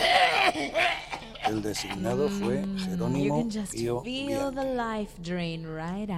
El designado fue Jerónimo Pio Bianchi.